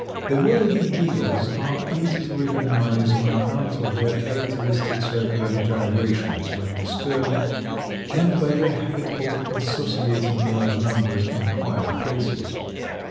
The Whirligig beetles are easy to recognize on account of their characteristic circular gyrations when disturbed, and by their habit of associating in large numbers in quiet places.